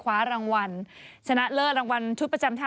วันเวนเขามดไอจีให้ดู